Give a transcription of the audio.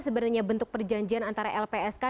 sebenarnya bentuk perjanjian antara lpsk